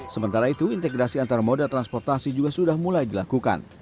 sementara itu integrasi antar moda transportasi juga sudah mulai dilakukan